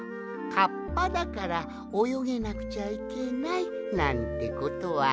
カッパだからおよげなくちゃいけないなんてことはないんじゃ。